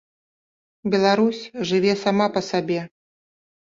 Беларусь жыве сама па сабе.